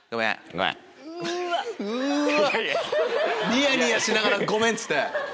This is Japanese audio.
ニヤニヤしながら「ごめん」って。